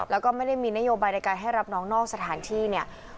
แล้วก็ไม่ได้มีนโยบายในการให้รับน้องนอกสถานที่เนี่ย